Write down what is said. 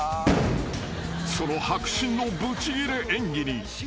［その迫真のぶちギレ演技に］